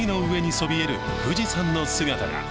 海の上にそびえる富士山の姿が。